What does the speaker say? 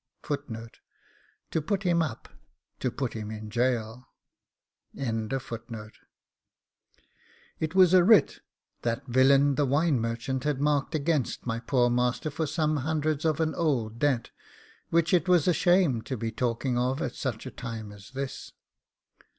TO PUT HIM UP: to put him in gaol It was a writ that villain the wine merchant had marked against my poor master for some hundreds of an old debt, which it was a shame to be talking of at such a time as this.